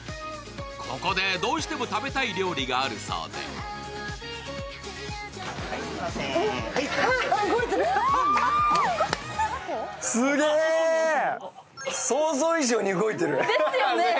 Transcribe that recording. ここでどうしても食べたい料理があるそうで想像以上に動いてる。